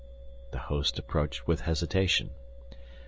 The host approached with hesitation.